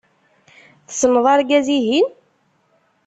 Tessneḍ argaz-ihin?